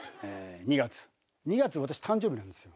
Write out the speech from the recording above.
２月２月私誕生日なんですよ。